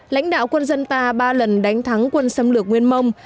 lãnh đạo quân dân ta ba lần đánh thắng quân xâm lược nguyên mông